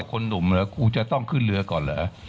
คนหนุ่มเหรอครูจะต้องขึ้นเรือก่อนเหรอ